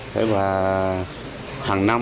thế và hàng năm